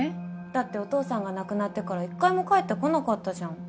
だってお父さんが亡くなってから１回も帰ってこなかったじゃん。